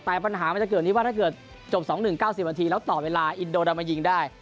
แต่ปัญหามันจะเกิดที่ว่าถ้าเกิดจบ๒๑๙๐นาทีแล้วต่อเวลาอินโดเรามายิงได้